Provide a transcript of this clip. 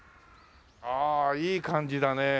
ああいい感じだね。